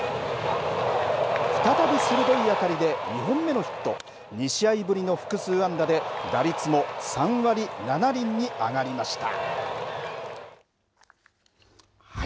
再び鋭い当たりで２本目のヒット２試合ぶりの複数安打で打率も３割７厘に上がりました。